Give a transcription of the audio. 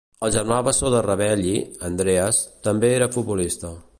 El germà bessó de Ravelli, Andreas, també era futbolista.